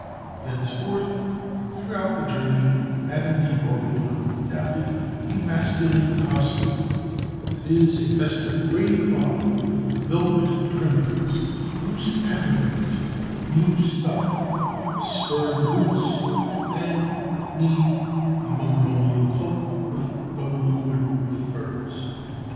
Thenceforth, and throughout the journey, Madame de Bourboulon adopted a masculine costume that is, a vest of grey cloth, with velvet trimmings, loose pantaloons of blue stuff, spurred boots, and at need a Mongolian cloak with a double hood of furs.